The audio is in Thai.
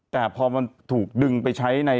แต่พอมันถูกดึงไปใช้ใน